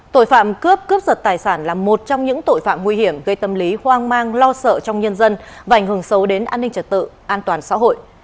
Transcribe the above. tội phạm cướp cướp giật tài sản là một trong những tội phạm nguy hiểm gây tâm lý hoang mang lo sợ trong nhân dân và ảnh hưởng xấu đến an ninh trật tự an toàn xã hội